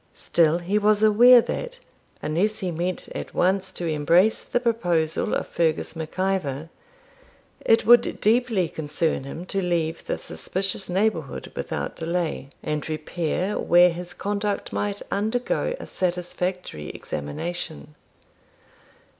Still he was aware that, unless he meant at once to embrace the proposal of Fergus Mac Ivor, it would deeply concern him to leave the suspicious neighbourhood without delay, and repair where his conduct might undergo a satisfactory examination.